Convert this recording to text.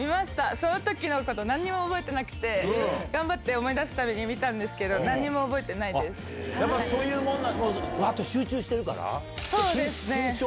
そのときのことなんにも覚えてなくて、頑張って思い出すために見たんですけど、やっぱそういうものなのか、そうですね。